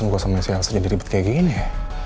kenapa urusan gue sama si elsa jadi ribet kayak gini ya